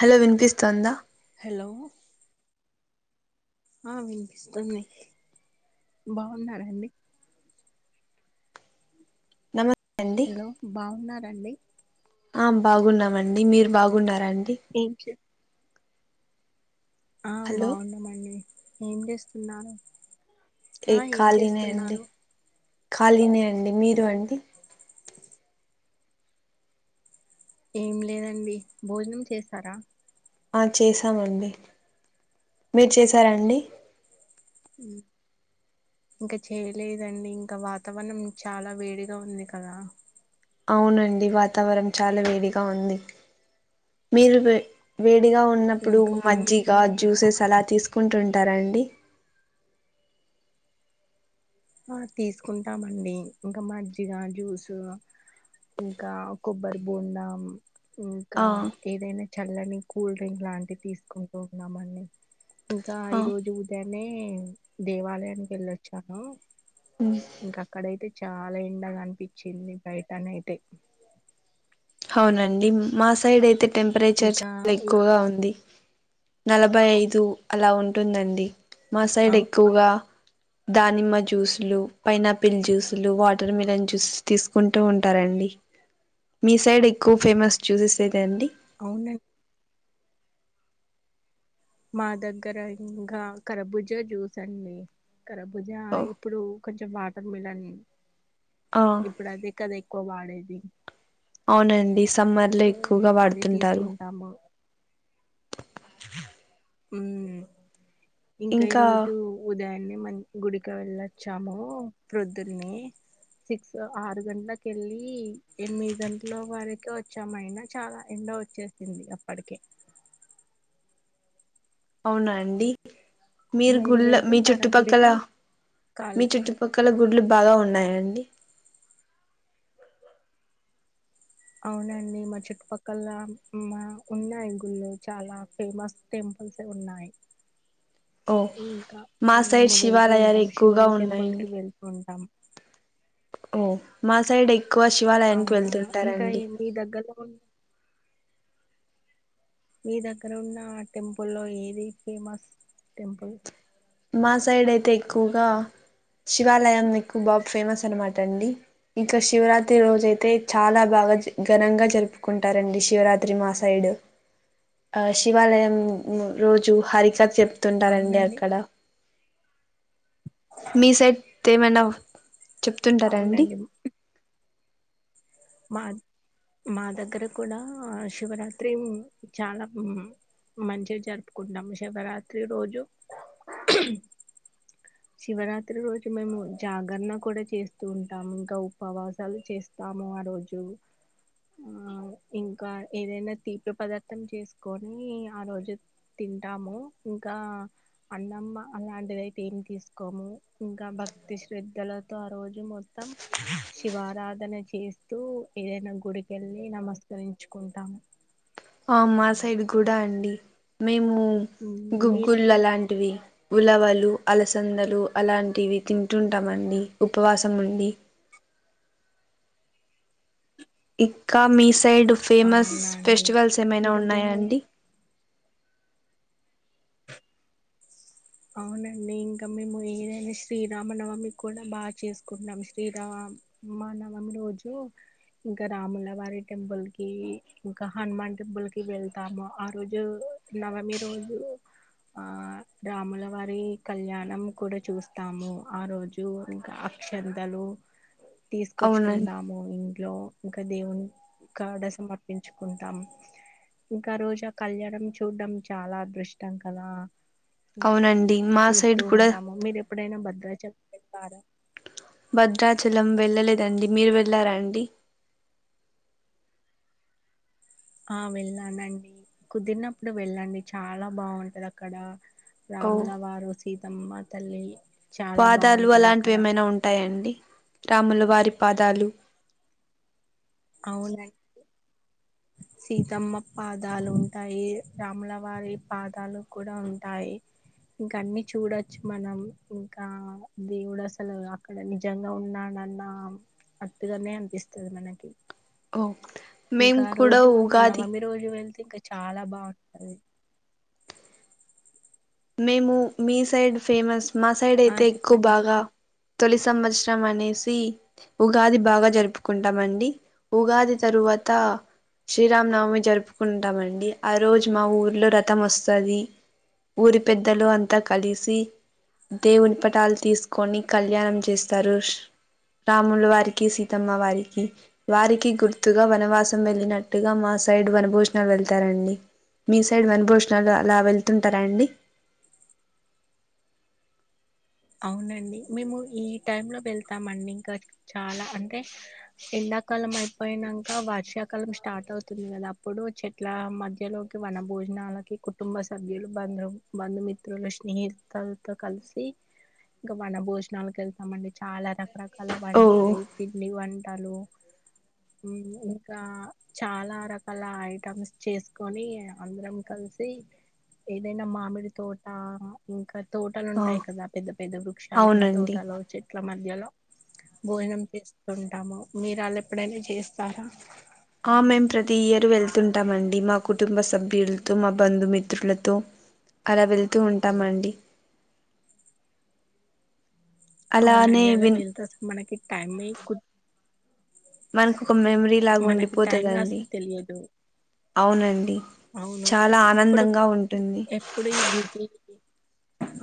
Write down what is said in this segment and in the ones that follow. Hello వినిపిస్తుందా hello ఆ వినిపిస్తున్నయి బావున్నారండి నమ హలో బాగున్నారండి ఆ బాగున్నామండి మీరు బాగున్నారండి ఏం చే ఆ హలో బాగున్నామండి ఏం చేస్తున్నారు ఏ ఆ ఏం ఖాళీనే అండి చేస్తున్నారు ఖాళీనే అండి మీరు అండి ఏం లేదండి భోజనం చేసారా ఆ చేసామండి మీరు చేశారా అండి ఉ ఇంకా చేయలేదండి ఇంకా వాతావరణం చాలా వేడిగా ఉంది కదా అవునండి వాతావరణం చాలా వేడిగా ఉంది మీరు వేడిగా ఉన్నప్పుడు మజ్జిగా ఇంకా జ్యూసెస్ అలా తీసుకుంటుంటారా అండి ఆ తీసుకుంటామండి ఇంకా మజ్జిగ జ్యూసు ఇంకా కొబ్బరి బోండా ఇంకా ఆ ఏదైనా చల్లని కూల్ డ్రింక్ లాంటివి తీసుకుంటూ ఉన్నామండి ఇంకా ఆ ఈరోజు ఉదయాన్నే దేవాలయానికి వెళ్ళొచ్చాను మ్ ఇంక అక్కడైతే చాలా ఎండగా అనిపించింది బయటనయితే అవునండి మా సైడ్ అయితే టెంపరేచర్ ఇంకా చాలా ఉ ఎక్కువగా ఉంది నలభై ఐదు అలా ఉంటుందండి మా ఆ సైడ్ ఎక్కువగా దానిమ్మ జ్యూసులు పైనాపిల్ జ్యూసులు వాటర్ మిలన్ జ్యూస్ తీసుకుంటూ ఉంటారండి మీ సైడ్ ఎక్కువ ఫేమస్ జ్యూసెస్ అయితే అండి అవునం మా దగ్గర ఇంకా కరబుజ జ్యూస్ అండి కరభుజ ఓ ఇప్పుడు కొంచెం వాటర్మిలనే ఆ ఇప్పుడు అదే కదా ఎక్కువ వాడేది అవునండి సమ్మర్ లో ఎక్కువగా వాడుతుంటారు తమ్ముడ్ ఉమ్ ఇంకా ఈరోజు ఉదయాన్నే మం గుడికి వెళ్ళొచ్చాము మరపొద్దున్నే సిక్స్ ఆరు గంటలకెళ్ళి ఎనిమిది గంటల వరక వచ్చాం అయినా చాలా ఎండవొచ్చ చ్చేసింది అప్పటికే అవునా అండి మీరు గుళ్ళ మీ వెళ్తుంటారా చుట్టుపక్కల గుడికి కాల్ మీ చుట్టు ఒకళ గుడ్లు బాగా ఉన్నాయండి అవునండి మా చుట్టుపక్కల మ ఉన్నాయి గుళ్ళు చాలా ఫేమస్ టెంపుల్స్ ఉన్నాయి ఓ ఇంకా మా సైడ్ మేము వెళ్తూ శివాలయాలు ఉంటాం ఎక్కువగా శివుని టెంపుల్ కి ఉన్నాయండి వెళ్తూ ఉంటాం ఓ మా సైడ్ ఎక్కువ శివాలయానికి అవునా ఇంకా వెళ్తుంటారండి ఏ- మీ దగ్గరలో ఉ మీ దగ్గర ఉన్న టెంపుల్లో ఏది ఫేమస్ టెంపుల్? మా సైడ్ అయితే ఎక్కువగా శివాలయం ఎక్కువ బాఫేమస్ అనమాట అండి. ఇంకా శివరాత్రి రోజైతే చాలా బాగా జ ఘనంగా జరుపుకుంటారండి శివరాత్రి మాసైడు. ఆ శివాలయం రోజు హరికథ చెప్తుంటారండి అవునండి అక్కడ. మీ సైడ్ తేమన్నా చెప్తుంటారాండి. అవునండి మా మా దగ్గర కూడా శివరాత్రి చాలా మంచిగా జరుపుకుంటాము శివరాత్రి రోజు శివరాత్రి రోజు మేము జాగరణ కూడా చేస్తూ ఉంటాము ఇంకా ఉపవాసాలు చేస్తాము ఆ రోజు ఆ ఇంకా ఏదైనా తీపి పదార్థం చేసుకొని ఆ రోజు తింటాము ఇంకా అన్నమ్మ అలాంటిదయితే ఏమి తీసుకోము ఇంకా భక్తి శ్రద్ధలతో ఆ రోజు మొ శివారాధన చే స్తూ ఏదైనా గుడికెళ్ళి నమస్కరించుకుంటాము. ఆ మా సైడ్ కూడా అండి మేము గు మీరెలా గుళ్ళలాంటివి. ఉలవలు, అలసందలు అలాంటివి తింటుంటామండి ఉపవాసం ఉండి. ఇక్కా మీ సైడ్ ఫేమస్ అవునా అండి ఫెస్టివల్స్ ఏమైనా ఇంకా ఉన్నయా మేము అండి. అవునండి ఇంకా మేము ఏదైనా శ్రీరామనవమి కూడా బాచేసుకుంటం శ్రీరా మనవమి రోజు ఇంకా రాములవారి టెంపుల్కి ఇంకా హనుమాన్ టెంపుల్కి వెళ్తాము, ఆ రోజు నవమి రోజు ఆ రాముల వారి కళ్యాణం కూడా చూస్తాము. ఆ రోజు ఇంకా అక్షంతలు అవునండి తీసుకొచ్చుకుందాము ఇం ట్లో ఇంకా దేవుని కాడ సమర్పించుకుంటాం. ఇంకా ఆ రోజు ఆ కల్యాణం చూడ్డం చాలా అదృష్టం కదా. అవునండి మా సైడ్ చూస్తూ కూడా ఉంటాము. మీరు ఎప్పుడైనా భద్రాచల్ వెళ్ళారా? భద్రాచలం వెళ్ళలేదండి. మీరు వెళ్ళారా అండి? ఆ వెళ్ళానండి కుదిరినప్పుడు వెళ్ళండి చాలా బావుంటది అక్కడ. ఓ రాముల వారు సీతమ్మ తల్లి చాలా పాదాలు బాగుంటది అలాంటివి అక్కడ ఏమైనా ఉంటాయండి రాముల వారి పాదాలు. అవునం సీతమ్మ పాదాలు ఉంటాయి, రాములవారి పాదాలు కూడా ఉంటాయి. ఇంకా అన్ని చూడొచ్చు మనం ఇంకా దేవుడు అసలు అక్కడ ని నిజంగా ఉన్నాడన్నా అట్టుగనే అనిపిస్తది మనకి. ఓ మేం ఇంకా ఆ కూడా రోజు ఉగాది నవమి రోజు వెళ్తే ఇంకా చాలా బావుంటది. మేము మీ సైడ్ ఫేమస్ మా సైడ్ ఆ అయితే ఎక్కువ చెప్పండి బాగా తొలి సంవత్సరం అనేసి ఉగాది బాగా జరుపుకుం టంమండి ఉగాది తరువాత శ్రీరామనవమి జరుపుకుంటామండి, ఆ రోజు మా ఊరిలో రథం వస్తది. ఊరి పెద్దలు అంతా కలిసి దేవుని పటాలు తీసుకొని కళ్యాణం చేస్తారు ష్ రాములు వారికి సీతమ్మ వారికి వారికి గుర్తుగా వనవాస్ సం వెళ్ళినట్టుగా మా సైడ్ వనభోజనాలు వెళ్తారండి మీ సైడ్ వనభోజనాలు అలా వెళ్తుంటారా అండి అవునండి మేము ఈ టైం లో వెళ్తామండి ఇంకా చాలా అంటే ఎండాకాలం అయిపోయినంక వర్షాకాలం స్టార్ట్ అవుతుంది కదా అప్పుడు చె ట్లా మధ్యలోకి వన భోజనాలకి కుటుంబ సభ్యులు బంధు బంధుమి తు స్నేహికల్తో కలిసి ఇంకా వన భోజనాలకు వెళ్తామండి చాలా రకరకాల ఓ వంటలు పిండి వంటలు హ్మ్ ఇంకా చాలా రకాల ఐటమ్స్ చేసుకొని అందరం కలిసి ఏదైనా మామిడి తోట ఇంకా ఆ తోటలుంటాయి కదా పెద్ద పెద్ద వృక్షాలున్న అవునండి తోటలు చెట్ ఇట్ల మధ్యలో భోజనం చేస్తుంటాము మీరు అలా ఎప్పుడైనా చేస్తారా ఆ మేము ప్రతి ఇయర్ వెళ్తుంటామండి మా కుటుంబ సభ్యులతో మా బంధుమిత్రులతో అలా వెళ్తు ఉంటామండి అలానే అవునండి అలా విన్ వెళ్తే అసలు మనకి టైమే కు మనకు ఒక మెమరీ లాగా మనకి టైం ఉండిపోతదండి అసలు తెలియదు అవునండి అవును చాలా ఇప్పుడు ఆనందంగా ఉంటుంది ఎప్పుడు ఈ బిజీ బిజీ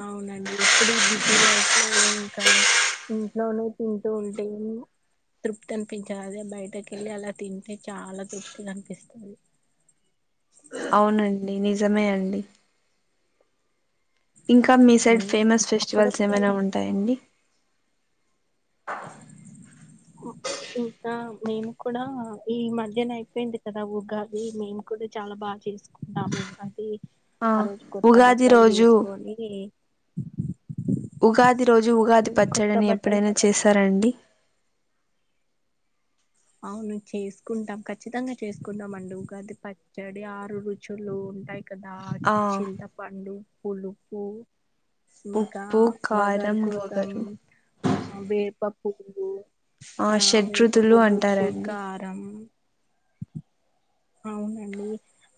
అవునండి ఏప్పుడు ఈ బిజీ లైఫ్ లో ఇంకా ఇంట్లోనే తింటూ ఉంటేను తృప్తి అనిపించదు అదే బయటకెళ్ళి అలా తింటే చాలా తృప్తిగా అనిపిస్తుంది అవునండి నిజమే అండి ఇంకా మీ సైడ్ ఉమ్, ఫేమస్ ఫెస్టివల్స్ అప్పుడప్పుడు అలా ఏమైనా ఉంటాయండి ఓ ఇంకా మేము కూడా ఈ మధ్యన అయిపోయింది కదా ఉగాది మేము కూడా చాలా బాగా చేస్ కున్నాము అది ఆ రోజు కొత్త ఉగాది బట్టలు రోజు వేసుకొని ఉగాది రోజు ఉగాది కొత్త పచ్చడిని బట్టలు ఎప్పుడైనా చేశారా అండి అవును చేసుకుంటాం ఖచ్చితంగా చేసుకుంటాం అండి ఉగాది పచ్చడి ఆరు రుచులు ఉంటాయ్ కదా ఆ చింతపండు పులుపు ఇంకా ఉప్పు వగరు కారం కోసం వగరు వేప పువ్వు ఆ వేప షడ్రుతులు పువ్వు ఉప్పు అంటారండి కారం అవునండి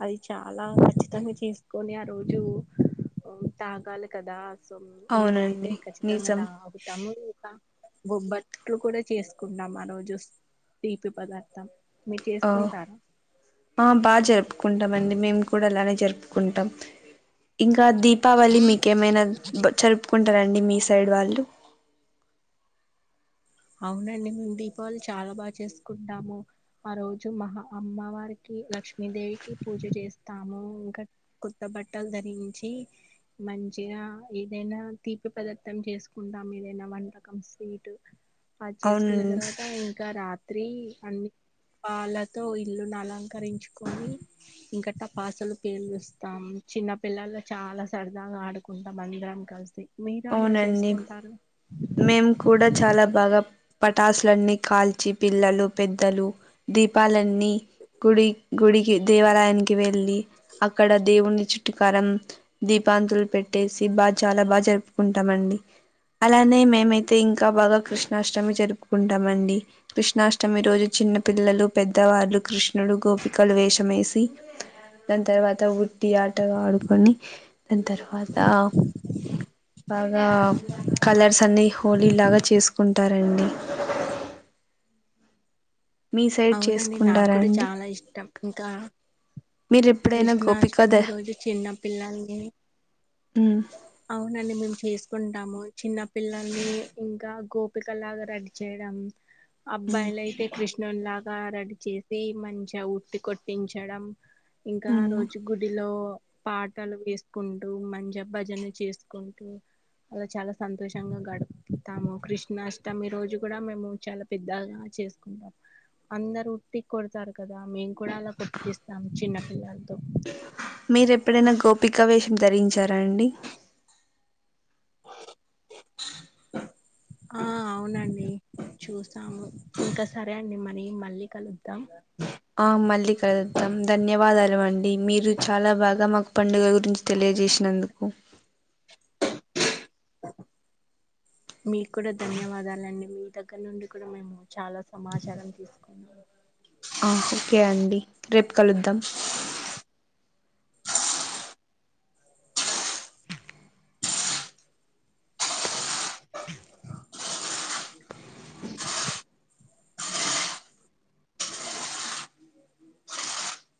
అది చాలా కచ్చితంగా చేసుకొని ఆ రోజు తాగాలి కదా సో మేమయితే అవునండి ఖచ్చితంగా నిజం తాహమ్ ఇ తము ఇగా బొబ్బట్లు కూడా చేసుకున్నాం ఆ రోజు తీపి పదార్థం మీరు ఆ చేసుకుంటారా ఆ బా జరుపుకుంటాం అండి మేము కూడా అలానే జరుపుకుంటాం ఇంకా దీపావళి మీకేమైనా జరుపుకుంటారండి మీ సైడ్ వాళ్ళు అవునండి మేము దీపావళి చాలా బా చేసుకుంటాము ఆ రోజు మహా అమ్మవారికి లక్ష్మీదేవికి పూజ చేస్తాము ఇంకా కొత్త బట్టలు ధరించి మంచిగా ఏదైనా తీపి పదార్థం చేసుకుంటాం ఏదైనా వంటకం స్వీటు అద్ అవును చేసుకున్న తర్వాత ఇంకా రాత్రి అన్ని పాల్లతో ఇల్లును అలంకరించుకొని ఇంక టపాసులు పేలుస్తాం చిన్న పిల్లల చాలా సరదాగా ఆడుకుంటాం అందరం కల్సి మీరల అవునండి జేస్కొంటారు మేం కూడా చాలా బాగ పటాసులన్నీ కాల్చి పిల్లలు పెద్దలు దీపాలన్ న్ని గుడి గుడికి దేవాలయానికి వెళ్ళి అక్కడ దేవున్ని చు ట్టికరం దీపాంతుల్ పెట్టేసి బా చాలా బాగ్ జరుపుకుంటమండి అలానే మేమైతే ఇంకా బాగా కృష్ణాష్టమి జరుపుకుంటామండి కృష్ణాష్టమి రోజు చిన్న పిల్లలు పెద్దవాళ్ళు కృష్ణుడు గోపికలు వేషమేసి దాన్ తర్వాత ఉట్టి ఆటగా ఆడుకొని దాన్ తర్వాతా బాగా కలర్సన్నీ హోలీ లాగా చేస్కుంటారండి మీ సైడ్ అవునండి నా చేసుకుంటారా క్కూడ అండి చాలా ఇష్టం ఇంకా మీరు ఎప్పుడైనా గోపిక ద క్రిష్ణాష్టమి రోజు చిన్న పిల్లల్ని ఉ అవునండి మేము చేస్కుంటాము చిన్న పిల్లల్ని ఇంకా గోపిక లాగ రడి చేడం అబ్బాయ్ లైతే క్రిష్ణున్ లాగా రడీ చేసి మంచిగా ఉట్టి కొట్టించడం ఇంకా ఆ మ్మ్ రోజు గుడిలో పాటలు ఏస్కుంటూ మంచిగ భజన చేస్కుంటూ అలా చాలా సంతోషంగా గడుప్తాము క్రిష్ణాష్టమి రోజు గుడా మేము చాల పెద్దగా చేస్కుంటాం అందరు ఉట్టి కొడతారు కదా మేమ్ కుడా అలా కొట్టిపిస్తాము చిన్న పిల్లల్తో మీరు ఎప్పుడైనా గోపికా వేషం ధరించార అండి ఆ అవునండి చూస్తాము ఇంక సరే అండి మరి మళ్ళీ కలుద్దాం ఆ మళ్ళీ కలుద్దాం ధన్యవాదాలువండి మీరు చాలా బాగా మాకు పండుగ గురిం తెలియజేష్నందుకు మీక్కుడ క ధన్యవాదాలండి మీ దగ్ గ్గర్నుండి కుడ మేము చాలా సమాచారం తీస్కున్నాము ఆ ఒహ్ కే అండి రేప్ కలుద్దాం